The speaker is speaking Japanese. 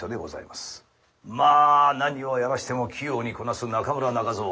まあ何をやらしても器用にこなす中村中蔵。